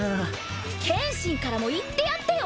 剣心からも言ってやってよ！